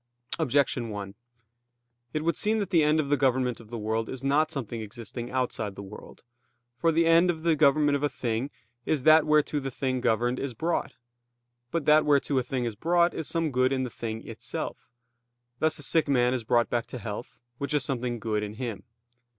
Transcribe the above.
Objection 1: It would seem that the end of the government of the world is not something existing outside the world. For the end of the government of a thing is that whereto the thing governed is brought. But that whereto a thing is brought is some good in the thing itself; thus a sick man is brought back to health, which is something good in him.